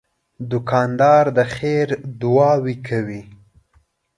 دوکاندار د خیر دعاوې کوي.